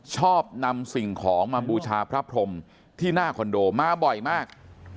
ชอบนำสิ่งของมาบูชาพระพรมที่หน้าคอนโดมาบ่อยมาก